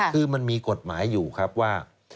คือมันมีกฎหมายอยู่ครับว่า